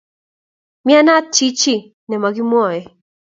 Mianat chichi ne mo ki mwoey.